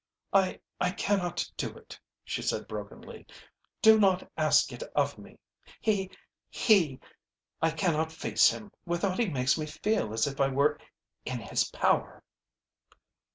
"I I cannot do it," she said brokenly. "Do not ask it of me! He he I cannot face him without he makes me feel as if I were in his power."